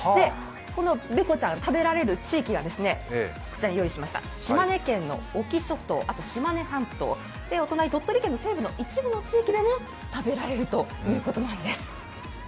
このベコちゃん、食べられる地域は島根県の隠岐諸島、島根半島、お隣、鳥取県西部の一部の地域でも食べられるということなんです。